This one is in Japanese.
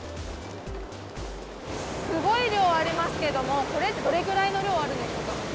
すごい量ありますけども、これってどれぐらいの量あるんでしょうか。